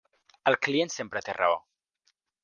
El client sempre té raó.